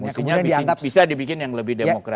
mestinya bisa dibikin yang lebih demokratis